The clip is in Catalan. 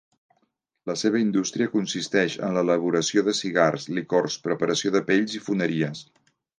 La seva indústria consisteix en l'elaboració de cigars, licors, preparació de pells i foneries.